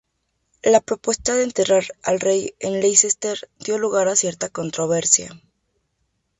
La propuesta de enterrar al rey en Leicester dio lugar a cierta controversia.